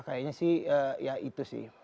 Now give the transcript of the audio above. kayaknya sih ya itu sih